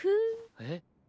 えっ？